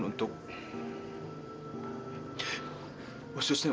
untuk menghargai kekuasaan anda